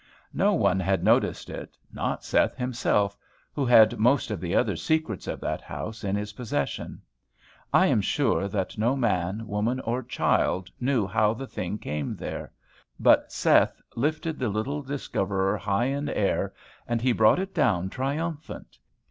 No one had noticed it, not Seth himself, who had most of the other secrets of that house in his possession. I am sure that no man, woman, or child knew how the thing came there: but Seth lifted the little discoverer high in air, and he brought it down triumphant.